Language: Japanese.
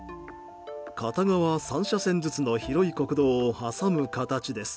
片側３車線ずつの広い国道を挟む形です。